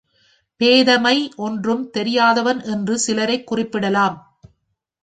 பேதைமை ஒன்றும் தெரியாதவன் என்று சிலரைக் குறிப்பிடலாம்.